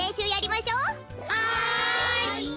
はい！